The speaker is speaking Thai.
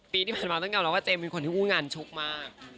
ปีที่มาตั้งกันแล้วก็เจมส์เป็นคนที่อุ่นงานชุกมาก